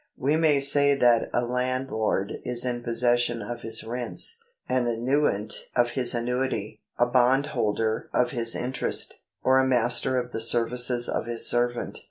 We may say that a land lord is in possession of his rents, an annuitant of his annuity, a bondholder of his interest, or a master of the services of his servant.